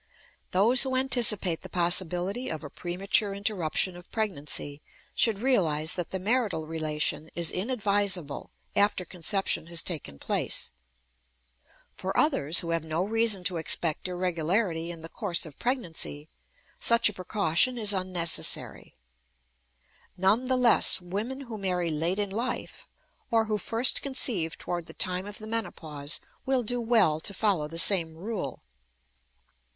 Those who anticipate the possibility of a premature interruption of pregnancy should realize that the marital relation is inadvisable after conception has taken place. For others, who have no reason to expect irregularity in the course of pregnancy, such a precaution is unnecessary. None the less, women who marry late in life or who first conceive toward the time of the menopause will do well to follow the same rule.